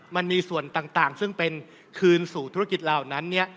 มันมีส่วนต่างซึ่งเป็นคืนสู่ธุรกิจเหล่านั้น